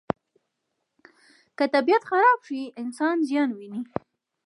که طبیعت خراب شي، انسان زیان ویني.